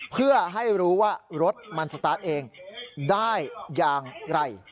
เพื่อให้รู้ว่ารถมันสตาร์ทเองได้อย่างไร